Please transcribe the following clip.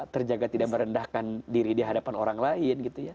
terjaga tidak merendahkan diri di hadapan orang lain